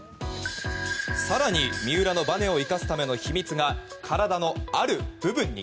更に、三浦のばねを生かすための秘密が体のある部分に。